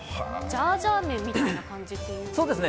ジャージャー麺みたいな感じですか。